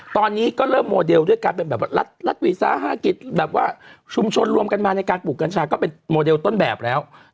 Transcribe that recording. ตอนนี้ก็เริ่มโมเดลด้วยการเป็นแบบว่ารัฐวิสาหกิจแบบว่าชุมชนรวมกันมาในการปลูกกัญชาก็เป็นโมเดลต้นแบบแล้ว